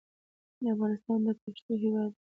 افغانستان د پښتنو هېواد دی.